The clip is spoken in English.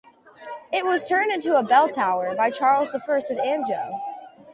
It was turned into a bell tower by Charles the First of Anjou.